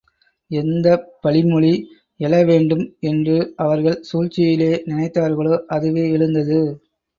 எந்தப் பழிமொழி எழவேண்டும் என்று அவர்கள் சூழ்ச்சியிலே நினைத்தார்களோ, அதுவே எழுந்தது.